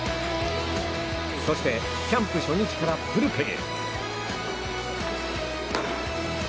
そしてキャンプ初日からブルペンへ。